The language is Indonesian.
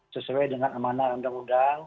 sesuai dengan amanah undang undang